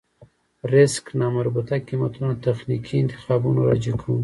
ريسک نامربوطه قېمتونه تخنيکي انتخابونو راجع کوو.